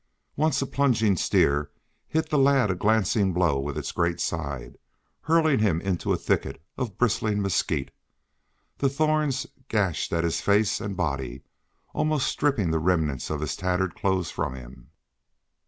Once a plunging steer hit the lad a glancing blow with its great side, hurling him into a thicket of bristling mesquite. The thorns gashed his face and body, almost stripping the remnants of his tattered clothes from him.